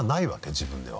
自分では。